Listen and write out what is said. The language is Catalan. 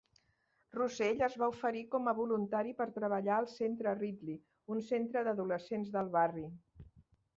Russell es va oferir com a voluntari per treballar al centre Ridley, un centre d'adolescents del barri.